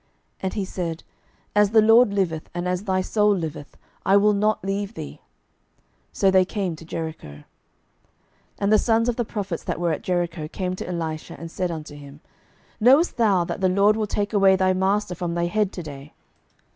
And he said, As the LORD liveth, and as thy soul liveth, I will not leave thee. So they came to Jericho. 12:002:005 And the sons of the prophets that were at Jericho came to Elisha, and said unto him, Knowest thou that the LORD will take away thy master from thy head to day?